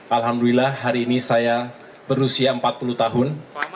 alhamdulillah hari ini saya berusia empat puluh tahun